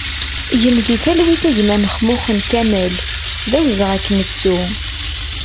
Gen di talwit a gma Maxmuxen Kamal, d awezɣi ad k-nettu!